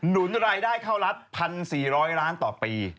หนุนรายได้เข้ารัฐ๑๔๐๐ล้านต่อปี